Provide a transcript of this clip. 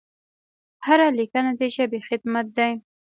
هره لیکنه د ژبې خدمت دی.